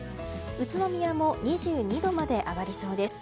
宇都宮も２２度まで上がりそうです。